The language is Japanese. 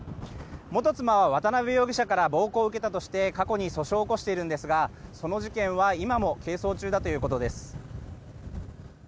元妻は渡邉容疑者から暴行を受けたとして過去に訴訟を起こしているんですがその事件は今も係争中だということです。